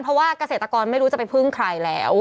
เพราะว่าเกษตรกรไม่รู้จะไปพึ่งใครแล้ว